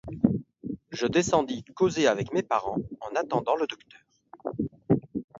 Je descendis causer avec mes parents en attendant le docteur.